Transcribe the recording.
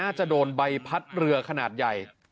จะโดนใบพัดเรือขนาดใหญ่